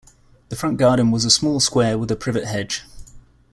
The front garden was a small square with a privet hedge.